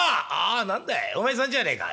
「ああ何だいお前さんじゃねえか。